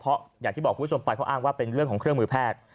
เพราะอย่างที่บอกคุณผู้ชมไปเขาอ้างว่าเป็นเรื่องของเครื่องมือแพทย์